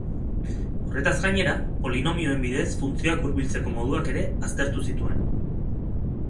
Horretaz gainera, polinomioen bidez funtzioak hurbiltzeko moduak ere aztertu zituen.